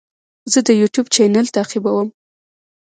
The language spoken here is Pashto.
زه د یوټیوب چینل تعقیبوم.